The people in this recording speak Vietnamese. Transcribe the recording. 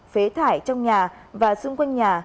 phế thải trong nhà và xung quanh nhà